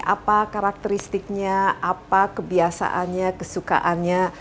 apa karakteristiknya apa kebiasaannya kesukaannya